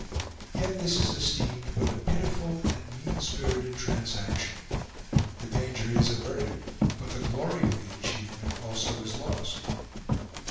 Yet this is esteemed but a pitiful and mean spirited transaction. The danger is averted, but the glory of the achievement also is lost.